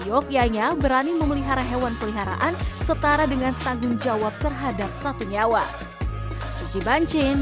seyok ya nya berani memelihara hewan peliharaan setara dengan tanggung jawab terhadap satu nyawa